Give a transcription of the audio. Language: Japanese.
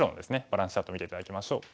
バランスチャートを見て頂きましょう。